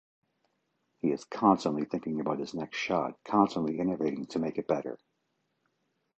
He is constantly thinking about his next shot, constantly innovating to make it better.